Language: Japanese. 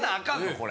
これ。